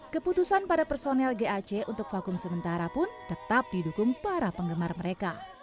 keputusan para personel gac untuk vakum sementara pun tetap didukung para penggemar mereka